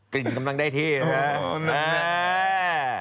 กลิ่นกำลังได้ที่เลย